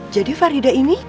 jadi farida ini